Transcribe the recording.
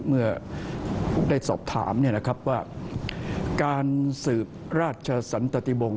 เมื่อได้สอบถามว่าการสืบราชสันตติบงค